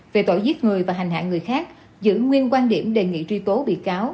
về tội giết người và hành hạ người khác giữ nguyên quan điểm đề nghị truy tố bị cáo